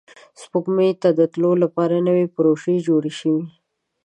سپوږمۍ ته د تلو لپاره نوې پروژې جوړې شوې